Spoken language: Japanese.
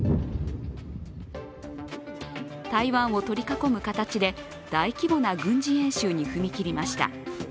台湾を取り囲む形で大規模な軍事演習に踏み切りました。